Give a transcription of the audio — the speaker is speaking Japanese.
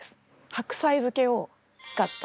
白菜漬けを使った。